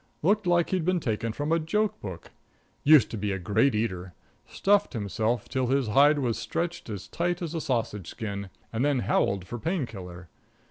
Looked like he'd been taken from a joke book. Used to be a great eater. Stuffed himself till his hide was stretched as tight as a sausage skin, and then howled for painkiller.